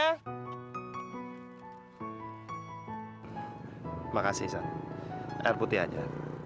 terima kasih air putih aja